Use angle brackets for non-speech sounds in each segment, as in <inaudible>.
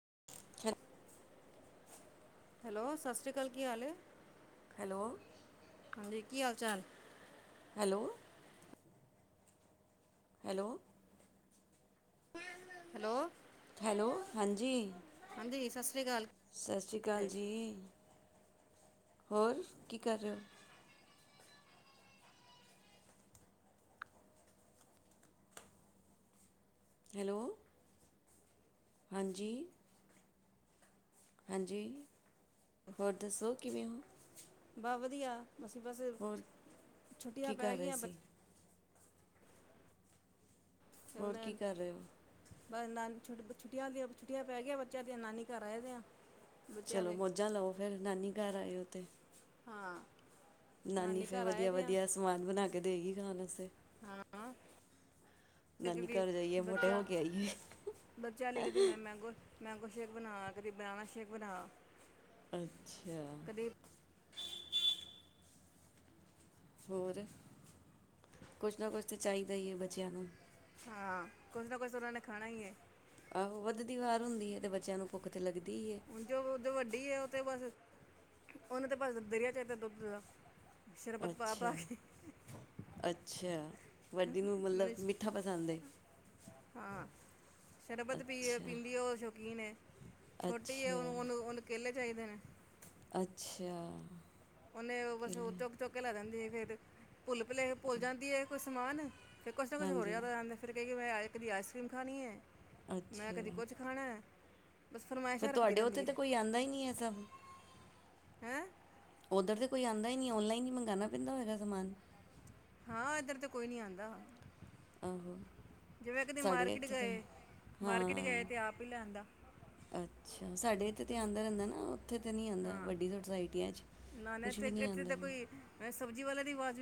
<unintelligible> Hello ਸਤਿ ਸ਼੍ਰੀ ਅਕਾਲ ਕੀ ਹਾਲ ਹੈ? ਹੈਲੋ। ਹਾਂਜੀ ਕੀ ਹਾਲ ਚਾਲ ਹੈਲੋ। ਹੈਲੋ। ਹੈਲੋ। ਹੈਲੋ ਹਾਂਜੀ। ਹਾਂਜੀ ਸਤਿ ਸ਼੍ਰੀ ਅਕਾਲ ਸਤਿ ਸ਼੍ਰੀ ਅਕਾਲ ਜੀ। ਹੋਰ ਕੀ ਕਰ ਰਹੇ ਹੋ? ਹੈਲੋ। ਹਾਂਜੀ ਹਾਂਜੀ ਹੋਰ ਦੱਸੋ ਕਿਵੇਂ ਉ ਵਧੀਆ ਬਸ ਬਸ ਛੁੱਟੀਆਂ ਕੀ ਪੈ ਕਰ ਰਹੇ ਗਈਆਂ ਬ ਸੀ ਹੋਰ ਕੀ ਕਰ ਰਹੇ ਉ ਬ ਨਾਨੀਛੁੱਟ ਛੁੱਟੀਆਂ ਦੀਆਂ ਛੁੱਟ ਪੈ ਗ ਗਿਆ ਬੱਚਿਆਂ ਦੀਆਂ ਨਾਨੀ ਘਰ ਰਹਿ ਰੇ ਆ। ਬੱਚਿਆਂ ਚਲੋ ਦੇ ਮੌੋਝਾਂ ਲਓ ਫੇਰ ਨਾਨੀ ਘਰ ਆਇਉਂ ਤੇ ਹਾਂ। ਨਾਨੀ ਫਿਰ ਘਰ ਆਏ ਵਧੀਆ ਦੇ ਆ ਵਧੀਆ ਸਮਾਨ ਬਣਾ ਕੇ ਦੇਗੀ ਖਾਣ ਵਾਸਤੇ ਹੂੰ ਨਾਨੀ ਦੀ ਘਰ ਜਾਈਏ ਮੋਟੇ ਬੱਚਾ ਹੋ ਕੇ ਆਈਏ ਬੱਚਾ ਲਿਖਦੀ ਮੈਂ ਮੈਂਗੋ ਮੈਂਗੋ ਸ਼ੇਕ ਬਣਾ ਕਦੀ ਬਨਾਨਾ ਸ਼ੇਕ ਬਣਾ ਅੱਛਾ। ਕਦੀ ਹੋਰ ਕੁਛ ਨਾ ਕੁਛ ਤਾਂ ਚਾਹੀਦਾ ਹੀ ਹੈ ਬੱਚਿਆਂ ਨੂੰ ਹਾਂ ਕੁਛ ਨਾ ਕੁਛ ਉਹਨਾਂ ਨੇ ਖਾਣਾ ਹੀ ਹੈ। ਆਹੋ ਵੱਧਦੀ ਵਾਰ ਹੁੰਦੀ ਹੈ ਤੇ ਬੱਚਿਆਂ ਨੂੰ ਭੁੱਖ ਤੇ ਲੱਗਦੀ ਹੀ ਹੈ ਜੋ ਉਤੇ ਵੱਡੀ ਆ ਉਹ ਤੇ ਬਸ ਉਹਨੂੰ ਤੇ ਬਸ ਦਰਿਆ ਚਾਹੀਦਾ ਦੁੱਧ ਦਾ ਸ਼ਰਬਤ ਪਾ ਅੱਛਾ ਪਾ ਕੇ ਅੱਛਾ ਵੱਡੀ ਨੂੰ ਮੈਨੂੰ ਮਤਲਬ ਸ਼- ਮਿੱਠਾ ਪਸੰਦ ਏ, ਹਾਂ ਸ਼ਰਬਤ ਪੀ ਅੱਛਾ। ਪੀਂਦੀ ਉਹ ਸ਼ੌਕੀਨ ਹੈ ਛੋਟੀ ਉਹ ਅੱਛਾ ਉਹਨੂੰ ਉਹਨੂੰ ਕੇਲੇ ਚਾਹੀਦੇ ਨੇ ਅੱਛਾ। ਉਹਨੇ ਬਸ ਉਹ ਕੇਲੇ ਚੁੱਕ ਚੁੱਕ ਕੇ ਲੈ ਜਾਦੀ ਏ ਫਿਰ ਭੁੱਲ ਭਲੇ ਭੁੱਲ ਜਾਂਦੀ ਹੈ ਕੁ ਸਮਾਨ ਫੇ ਕੁਛ ਨਾ ਕੁਛ ਹੋਰ ਹਾਂਜੀ ਯਾਦਾ ਜਾਂ ਫਿਰ ਕਈ ਕਿ ਮੈਂ ਕਦੀ ਆਇਸ ਕਰ੍ਰੀਮ ਖਾਨੀ ਹੈ। ਮੈਂ ਕਦੀ ਕੁਛ ਖਾਣਾ ਬਸ ਫ ਫਰਮਾਇਸ਼ਾਂ ਰੱਖਦੀ ਤੁਹਾਡੇ ਉੱਥੇ ਰਹਿੰਦੀ ਤਾਂ ਕੋਈ ਆਉਂਦਾ ਹੀ ਨਹੀਂ ਹੈ। ਸਭ ਹੈਂ ਉੱਧਰ ਤਾਂ ਕੋਈ ਆਉਂਦਾ ਹੀ ਨਹੀਂ ਔਨਲਾਈਨ ਹੀ ਮੰਗਵਾਉਣਾ ਪੈਂਦਾ ਹੋਏਗਾ ਸਮਾਨ ਹਾਂ ਇੱਧਰ ਤੇ ਕੋਈ ਨੀ ਆਉਂਦਾ ਆਹੋ ਸਾਡੇ ਇੱਥੇ ਗਏ ਮਾਰਕੀਟ ਗਏ ਹਾਂ ਤੇ ਆਪ ਹੀ ਲੈ ਆਂਦਾ ਅੱਛਾ ਸਾਡੇ ਜਥੇ ਆਉਂਦਾ ਰਹਿੰਦਾ ਨਾ ਉੱਥੇ ਤੇ ਨੀ ਆਉਂਦਾ ਹਾਂ ਵੱਡੀ ਸਸਾਇਟ ਨਾ ਨਾ ਕੁਛ ਵੀ ਇੱਥੇ ਨੀ ਇੱਥੇ ਆਉਂਦਾ ਤਾਂ ਕੋਈ ਅ, <unintelligible>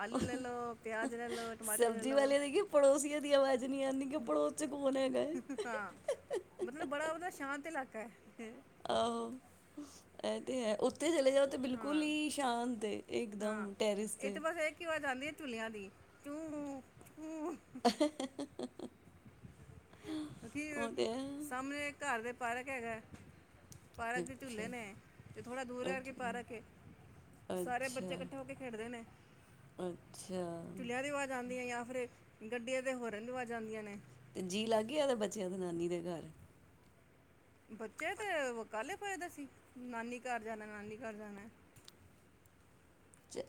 ਆਲੂ ਲੈ ਲਓ ਪਿਆਜ਼ ਲੈ ਲਓ ਟਮਾਟਰ ਲੈ ਸਬਜ਼ੀ ਲਓ ਵਾਲੇ ਦੇ ਕਿ ਪੜੋਸੀਆਂ ਦੀ ਆਵਾਜ਼ ਨੀ ਆਉਂਦੀ ਕਿ ਪੜੋਸ ਚ ਕੌਣ ਹੈਗਾ ਹੈ ਹਾਂ ਮਤਲਬ ਬੜਾ ਉਹਦਾ ਸ਼ਾਂਤ ਇਲਾਕਾ ਹੈ ਆਹੋ ਇਹ ਤੇ ਹੈ ਉਥੇ ਚਲੇ ਜਾਓ ਤੇ ਬਿਲਕੁਲ ਹਾਂ ਹੀ ਸ਼ਾਂਤ ਇਕ ਹਾਂ ਦਮ ਟੈਰਿਸ ਤੇ ਹੂੰ ਹੂੰ <unintelligible> ਕੀ ਉਹ ਤੇ ਹੈ ਸਾਹਮਣੇ ਘਰ ਦੇ ਪਾਰਕ ਹੈਗਾ ਪਾਰਕ ਦੇ ਅੱਛਾ ਝੂਲੇ ਨੇ ਤੇ ਥੋੜ੍ਹਾ ਦੂਰ ਹੈ ਕੇ ਅੱਛਾ ਪਾਰਕ ਸਾਰੇ ਬੱਚੇ ਅੱਛਾ ਇਕੱਠੇ ਹੋ ਕੇ ਖੇਡਦੇ ਨੇ ਅੱਛਾ ਚੁਲਿਆਂ ਦੀ ਆਵਾਜ਼ ਆਉਂਦੀ ਹੈ ਜਾਂ ਫਿਰ ਗੱਡੀਆਂ ਦੇ ਹੋਰਨ ਦੀ ਆਵਾਜ਼ ਆਉਂਦੀਆਂ ਨੇ ਅਤੇ ਜੀ ਲਾਗੇ ਉਹਦੇ ਬੱਚਿਆਂ ਨਾਨੀ ਦੇ ਘਰ ਬੱਚੇ ਤੇ ਕੱਲ ਫਜਦਾ ਸੀ ਨਾਨੀ ਘਰ ਜਾਣਾ ਨਾਨੀ ਘਰ ਜਾਣਾ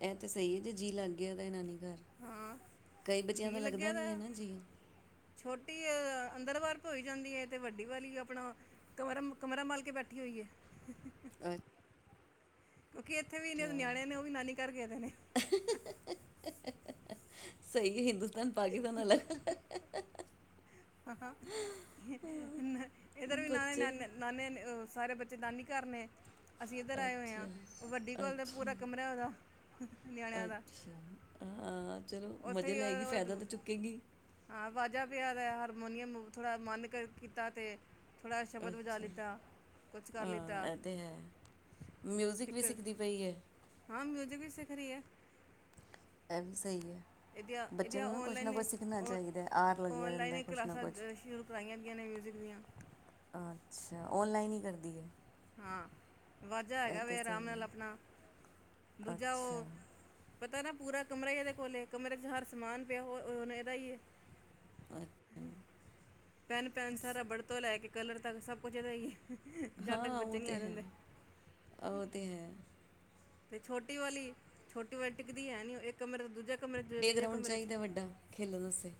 ਇਹ ਤਾਂ ਸਹੀ ਹੈ ਜੇ ਜੀਅ ਲੱਗ ਗਿਆ ਤਾਂ ਇਹਨਾਂ ਨੀ ਹਾਂ ਕਈ ਬੱਚਿਆਂ ਦਾ ਜੀਅ ਲੱਗਦਾ ਲੱਗਿਆ ਨੀ ਹੈ ਦਾ ਨਾ ਜੀ ਛੋਟੀ ਅੰਦਰ ਬਾਹਾਰ ਭੋਈ ਜਾਂਦੀ ਹੈ ਤੇ ਵੱਡੀ ਵਾਲੀ ਆਪਣਾ ਕਮਰ ਕਮਰਾ ਮਲ ਕੇ ਬੈਠੀ ਹੋਈ ਹੈ ਕਿਉਂਕਿ ਇੱਥੇ ਵੀ ਇੰਨੇ ਅੱਛਾ ਨਿਆਣੇਿਆਂ ਨੇ ਉਹ ਵੀ ਨਾਨੀ ਘਰ ਗਏਦੇ ਨੇ ਸਹੀ ਹਿੰਦੂ ਪਾਕਿਸਾਨਲ ਇਧਰ ਵੀ ਨਾਨੇ ਬੱਚੇ ਨਾਨੇ ਨਾਨੇ ਸਾਰੇ ਬੱਚੇ ਦ ਨੀ ਕਰਨੇ ਅਸੀਂ ਇੱਧਰ ਆਏ ਹੋਏ ਅੱਛਾ ਹਾਂ ਉਹ ਵੱਡੀ ਕੋਲ ਦਾ ਪੂਰਾ ਕਮਰਾ ਉਹਦਾ ਨਿਆਣਿਆਂ ਦਾ ਅੱਛਾ ਅੱਛਾ ਚਲੋ ਉੱਥੇ ਮਜ਼ੇ ਹੀ ਲੈਗੀ ਫਾਇਦਾ ਤਾਂ ਚੁੱਕੇਗੀ ਹਾਂ ਵਾਜਾ ਪਿਆ ਹਰ ਹਰਮੋਨੀਅਮ ਨੂੰ ਥੋੜ੍ਹਾ ਮਨ ਕੀਤਾ ਤੇ ਥੋੜ੍ਹਾ ਸ਼ਬਦ ਵਜਾ ਅੱਛਾ ਲਿੱਤਾ ਕੁਛ ਕਰ ਲਿੱਤਾ ਹਾਂ ਇਹ ਤੇ ਹੈ ਮਿਊਜਿਕ ਵੀ ਇੱਕ ਸਿੱਖਦੀ ਪਈ ਹੈ ਹਾਂ ਮਿਊਜਿਕ ਹੀ ਸਿੱਖ ਰਹੀ ਹੈ ਇਹ ਵੀ ਸਹੀ ਹੈ ਇਹਦੀਆਂ ਬੱਚੇ ਇਹਦੀਆਂ ਨੂੰ ਨਾ ਕੁਛ ਨਾ ਔਨਲਾਈਨ ਕੁਛ ਸਿੱਖਣਾ ਔ ਚਾਹੀਦਾ ਹੈ ਆਰ ਲੱਗਿਆ ਰਹਿੰਦਾ ਔਨਲਾਈਨ ਕੁਛ ਨਾ ਕਲਾਸਾਂ ਕੁਛ ਸ਼ੁਰੂ ਕਰਵਾਈਆਂ ਵੀਆਂ ਨੇ ਮਿਊਜਿਕ ਦੀਆਂ ਅੱਛਾ ਔਨਲਾਈਨ ਹੀ ਕਰਦੀ ਹੈ ਹਾਂ ਵਾਜ਼ਾ ਇਹ ਹੈਗਾ ਵ ਤੇ ਆਰਾਮ ਸਹੀ ਨਾਲ ਹੈ ਆਪਣਾ ਦੂਜਾ ਅੱਛਾ ਉਹ ਪਤਾ ਨਾ ਪੂਰਾ ਕਮਰਾ ਹੀ ਇਹਦੇ ਕੋਲ ਕਮਰੇ ਚ ਹਰ ਸਮਾਨ ਪਿਆ ਹੁਣ ਇਹਦਾ ਹੈ ਅੱਛਾ ਪੈਨ ਪੈਨਸ ਰਬੜ ਤੋਂ ਲੈ ਕੇ ਕਲਰ ਤੱਕ ਸਭ ਕੁਝ ਹੀ ਜਦ ਤੱਕ ਹਾਂ ਬੱਚੇ ਨਹੀਂ ਆ ਹੋਤੇ ਹੈ ਜਾਂਦੇ ਹੋਤੇ ਹੈ ਤੇ ਛੋਟੀ ਵਾਲੀ ਛੋਟੀ ਵਾਲੈਂਟਿਕਦੀ ਹੈ ਨ ਇੱਕ ਕਮਰੇ ਦਾ ਦੂਜਾ ਪਲੇਅਗਰਾਾਊਂਡ ਚਾਹੀਦਾ ਵੱਡਾ ਖੇਲਣ ਵਸਤੇ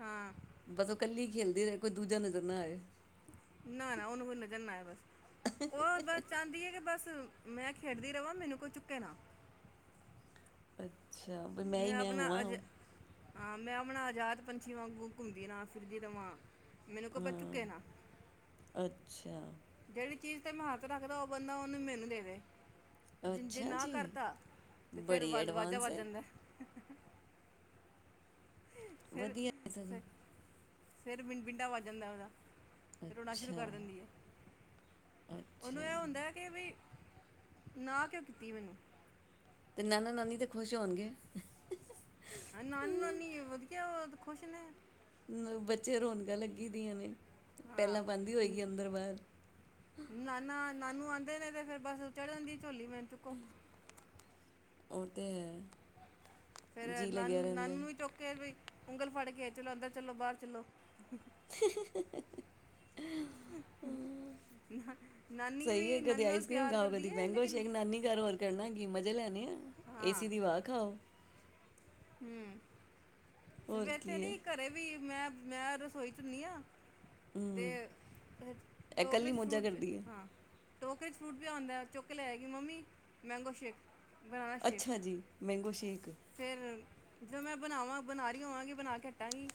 ਹਾਂ ਬਸ ਕੱਲੀ ਖੇਲਦੇ ਰਹੇ ਕੋਈ ਦੂਜਾ ਨਜ਼ਰ ਨਾ ਆਏ ਨਾ ਨਾ ਉਹਨੂੰ ਕੋਈਨੂੰ ਜਾਂਨਾ ਆ ਬਸ ਉਹ ਬਸ ਚਾਹਦੀ ਹੈ ਕਿ ਬਸ ਮੈਂ ਖੇਡਦੀ ਰਵਾਂ ਮੈਨੂੰ ਕੋਈ ਚੁੱਕੇ ਨਾ <unintelligible> ਅੱਛਾ ਵੀ ਮੈਂ ਹੀ ਮੈਂ ਆਪਣਾ ਹਵਾਂ ਅਜ ਹਾਂ ਮੈਂ ਹਣਾ ਆਜ਼ਾਤ ਪੰਛੀ ਵਾਂਗ ਘੁੰਮਦੀ ਨਾ ਫਿਰਦੀ ਤਾਂ ਮਾਂ ਮੈਨੂੰ ਕੋ ਪਰ ਚੁੱਕੇ ਨਾ ਅੱਛਾ ਜਿਹੜੀ ਚੀਜ਼ ਤੇ ਮੈਂ ਹੱਥ ਰੱਖਦਾ ਉਹ ਬੰਦਾ ਉਹਨੂੰ ਮੈਨੂੰ ਦੇ ਦੇ ਜ ਜੇ ਅੱਛਾ ਨਾ ਜੀ ਕਰਤਾ ਤੇ ਬੜੀ ਫੇਿਰਵਾਜ਼ ਵਾਜਾ ਐਡਵਾਂਸ ਵੱਧ ਹੈ ਜਾਂਦਾ ਫਿਰ ਵਧੀਆ ਸੋਂ ਫਿਰ- ਫਿਰ ਮਿੰਨਪਿੰਡਾ ਵੱ ਜਾਂਦਾ ਉਹਦਾ ਰੋਣਾ ਸ਼ੁਰੂ ਅੱਛਾ ਕਰ ਦਿੰਦੀ ਹੈ ਨੂੰ ਅੱਛਾ ਇਹ ਹੁੰਦਾ ਕਿ ਬ ਨਾ ਕਿਉਂ ਕੀਤੀ ਮੈਨੂੰ ਤੇ ਨਾਨ ਨਾਨੀ ਤੇ ਖੁਸ਼ ਹੋਣਗੇ ਨਾਨੀ ਨਾਨੀ ਵਧੀਆ ਖੁਸ਼ ਨੇ ਅ ਬੱਚੇ ਰੌਣਕਾਂ ਲੱਗੀ ਦੀਆਂ ਨੇ ਹਾਂ ਪਹਿਲਾਂ ਬਦੀ ਨ- ਹੋਈਈ ਅੰਦਰ ਬਾਹਦ ਨਾਨਾ ਨਾਨੂ ਆਉਂਦੇ ਨੇ ਤੇ ਫੇਰ ਬੱਸ ਚੜ੍ਹਨਦੀ ਝੋਲੀ ਮਿੰਨਤ ਕੋ ਹੋਤੇ ਹੈ ਫੇਰ ਜੀ ਨਾਨ ਲੱਗਿਆ ਰਹਿੰਦਾ ਨਾਨ ਹੈ। ਵੀ ਚੁੱਕੇ ਬ ਉਂਗਲ ਫੜ ਕੇ ਚਲੋ ਅੰਦਰ ਚੱਲੋ ਬਾਹਰ ਚਲੋ <unintelligible> ਨਾ- ਨਾਨੀ ਸਹੀ ਹੈ ਵੀ ਕਦੇ ਨਾਨੀ ਨਾਲ ਆਈਸ ਕਰ੍ਰੀਮ ਪਿਆਰ ਖਾਓ ਕਰਦੀ ਕਦੇ ਹੈ ਮੈਂਗੋ ਲੇਕਿਨ ਸ਼ੇਕ ਨਾਨੀ ਘਰ ਹੋਰ ਕਰਨਾ ਕੀ ਮਜ਼ੇ ਲੈਣੇ ਆ ਏਸੀ ਦੀ ਵਵਾ ਖਾਓ ਹਮ ਸਿਰਫ ਹੋਰ ਇੱਥੇ ਕੀ ਹੈ ਨੀ ਇਹ ਘਰੇ ਵੀ ਮੈਂ ਮੈਂ ਰਸੋਈ ਚੁੰਨੀ ਆ ਅਤੇ ਟੋਗਰੇ ਇਕੱਲੀ ' ਮੋਜਾ ਫੂਟ ਕਰਦੀ ਹੈ ਹਾਂ ਟੋਕਰੇ ਚ ਫਰੂਟ ਪਿਆ ਆਉਂਦਾ ਚੁੱਕ ਲੈ ਆਗੀ mummy mango shake banana shake ਅੱਛਾ ਜੀ ਮੈਂਗੋ ਸ਼ੇਕ ਫਿਰ ਜਦੋਂ ਮੈਂ ਬਣਾਵਾਂ ਬਣਾ ਰਹੀ ਹੋਵਾਂਗੀ ਬਣਾ ਕੇ ਹੱਟਾਂਗੀ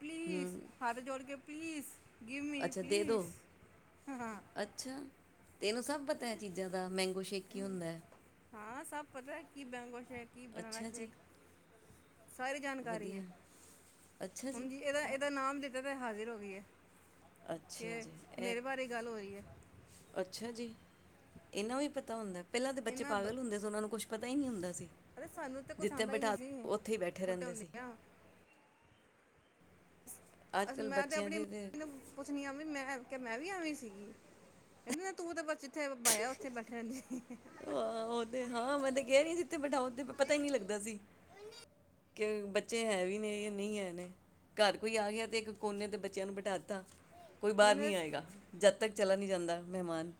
ਪਲੀਜ਼ ਹੂੰ ਹੱਥ ਜੋੜ ਕੇ ਪਲੀਜ਼ ਗਿਵ ਮੀ ਅੱਛਾ ਦੇ ਪਲੀਜ਼ ਦਿਓ ਹਾਂ ਹਾਂ ਤ ਇਹਨੂੰ ਸਭ ਪਤਾ ਹੈ ਚੀਜ਼ਾਂ ਦਾ ਮਹਿੰ ਗੋ ਸ਼ਕ ਹੀ ਹੁੰਦਾ ਹਾਂ ਸਭ ਪਤਾ ਕੀ ਬੈਂਗ ਸ਼ੇਕ ਕੀ ਬਨਾਲਾ ਅੱਛਾ ਸ਼ੇਖ ਜੀ ਸਾਰੀ ਜਾਣਕਾਰੀ ਹੈ ਵਧੀਆ ਹੁਣ ਜੀ ਇਹਦਾ ਇਹਦਾ ਨਾਮ ਦਿੱਤਾ ਤੇ ਹਾਜ਼ਿਰ ਹੋ ਗਈ ਹੈ ਅੱਛਾ ਕਿ ਜੀ ਇਹ ਮੇਰੇ ਬਾਰੇ ਗੱਲ ਹੋ ਰਹੀ ਹੈ ਇਹਨਾ ਨੂੰ ਹੀ ਪਤਾ ਹੁੰਦਾ ਪਹਿਲਾਂ ਦੇ ਬੱਚੇ ਪਾਗਲ ਹੁੰਦੇ ਸੀ ਉਹਨਾਂ ਨੂੰ ਕੁਛ ਪਤਾ ਹੀ ਨਹੀਂ ਹੁੰਦਾ ਸੀ ਅ ਸਾਨੂੰ ਤੇ ਕੁਛ ਜਿੱਥੇ ਆਉਂਦਾ ਹੀ ਬਿਠਾ ਨਹੀਂ ਸੀ ਦਿਓ, ਉੱਥੇ ਹੀ ਬੈਠੇ ਛੋਟੇ ਰਹਿੰਦੇ ਸੀ ਹੁੰਦੇ ਆ ਅੱਜ ਅੱਛ ਕੱਲ ਮੈਂ ਤੇ ਬੱਚਿਆਂ ਆਪਣੀ ਦੇ ਮੰਮੀ ਨੂੰ ਪੁੱਛਣੀ ਆ ਵੀ ਮੈਂ ਮੈਂ ਵੀ ਸੀਗੀ ਕਹਿੰਦੇ ਤੂੰ ਤਾਂ ਬੱਚ ਆਹ ਉਹ ਤੇ ਹਾਂ ਮੈਂ ਤੇ ਕਹਿ ਰਹੀ ਜਿੱਥੇ ਬਿਠਾ ਤੇ ਪਤਾ ਹੀ ਨਹੀਂ ਲੱਗਦਾ ਸੀ ਕਿ ਬੱਚੇ ਹੈ ਵੀ ਨੇ ਜਾਂ ਨਹੀਂ ਹੈ ਨੇ ਘਰ ਕੋਈ ਆ ਗਿਆ ਅਤੇ ਇੱਕ ਕੋਨੇ ਤੇ ਬੱਚਿਆਂ ਨੂੰ ਬਿਠਾਤਾ ਕੋਈ ਬਾਹਰ ਹੁਣ ਨਹੀਂ ਆਏਗਾ ਜਦ ਤੱਕ ਚਲਾ ਨਹੀਂ ਜਾਂਦਾ ਮਹਿਮਾਨ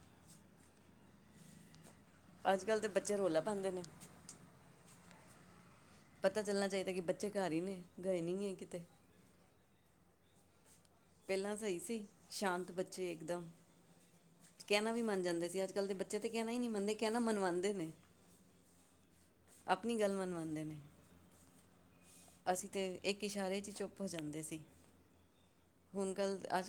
ਅੱਜ ਕੱਲ੍ਹ ਦੇ ਬੱਚੇ ਰੌਲਾ ਪਾਉਂਦੇ ਨੇ ਪਤਾ ਚੱਲਣਾ ਚਾਹੀਦਾ ਕਿ ਬੱਚੇ ਘਰ ਹੀ ਨੇ ਗਏ ਨ ਹੈ ਕਿਤੇ ਪਹਿਲਾਂ ਸਹੀ ਸੀ ਸ਼ਾਂਤ ਬੱਚੇ ਇਕਦਮ ਕਹਿਣਾ ਵੀ ਮੰਨ ਜਾਂਦੇ ਸੀ ਅੱਜ ਕੱਲ ਦੇ ਬੱਚੇ ਤਾਂ ਕਹਿਣਾ ਹੀ ਨਹੀਂ ਮੰਨਦੇ ਕਹਿਣਾ ਮਨਵਾਉਂਦੇ ਨੇ ਆਪਣੀ ਗੱਲ ਮਨਵਾਉਂਦੇ ਨੇ ਅਸੀਂ ਤੇ ਇੱਕ ਇਸ਼ਾਰੇ ਚ ਚੁੱਪ ਹੋ ਜਾਂਦੇ ਸੀ ਹੁਣ ਕੱਲ ਅੱਜ ਕੱਲ